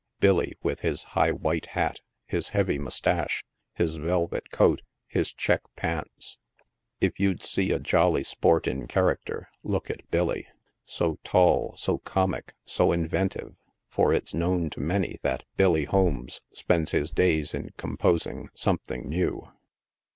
— Billy with his high white hat, his heavy moustache, his velvet coat, his check pants ? If you'd see a jolly sport in character, look at Billy ; so tall, so comic, so inventive— for it's known to many that Billy Holmes spends his days m composing " something new."